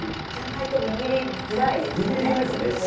じゃないと握りづらいですよね。